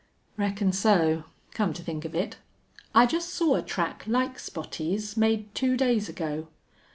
"Reckon so, come to think of it. I just saw a track like Spottie's, made two days ago."